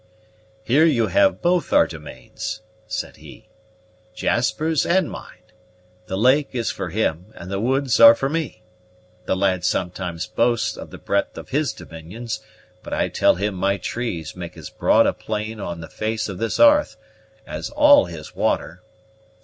"Here you have both our domains," said he, "Jasper's and mine. The lake is for him, and the woods are for me. The lad sometimes boasts of the breadth of his dominions; but I tell him my trees make as broad a plain on the face of this 'arth as all his water.